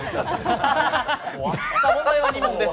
問題は２問です